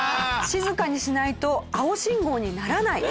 静かにしないと青信号にならない。